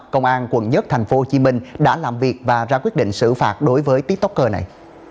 công an quận một tp hcm đã làm việc và ra quyết định xử phạt đối với tiktoker này